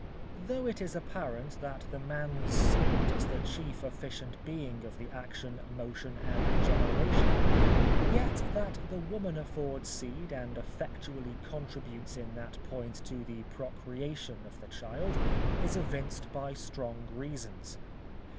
Though it is apparent that the man's seed is the chief efficient being of the action, motion, and generation: yet that the woman affords seed and effectually contributes in that point to the procreation of the child, is evinced by strong reasons.